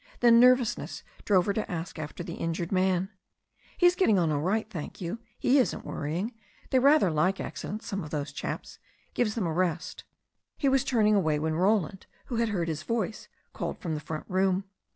Then nervousness drove her to ask after the injured man. "He's getting on all right, thank you. He isn't worrying. They rather like accidents, some of those chaps. It gives them a rest." He was turning away when Roland, who had heard his voice, called from the front room.